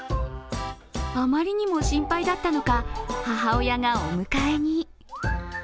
あまりにも心配だったのか、母親がお迎えに。